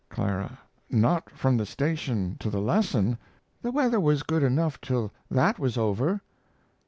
CL. Not from the station to the lesson the weather was good enough till that was over.